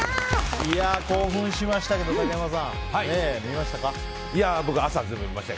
興奮しましたけど竹山さん、見ましたか？